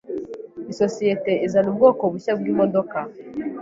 Isosiyete izana ubwoko bushya bwimodoka.